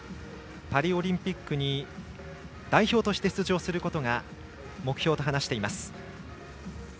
パリオリンピックに代表として出場することが目標と話しています。